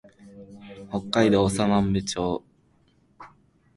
北海道長万部町